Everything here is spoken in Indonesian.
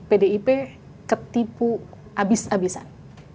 pdip ketipu abis abisan